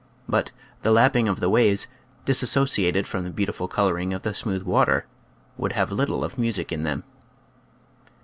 But the lapping of the waves, disassociated from the beautiful coloring cf the smooth water, would have little of music in them.